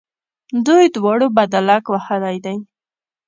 دوی دواړو بدلک وهلی دی.